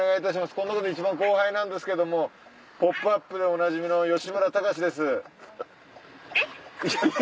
この中で一番後輩なんですけども『ポップＵＰ！』でおなじみの吉村崇です。